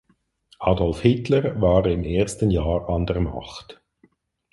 Adolf Hitler war im ersten Jahr an der Macht.